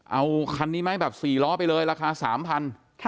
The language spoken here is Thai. เอาคันนี้ไหมแบบ๔ล้อไปเลยราคา๓๐๐บาท